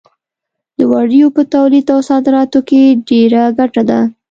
د وړیو په تولید او صادراتو کې ډېره ګټه ده.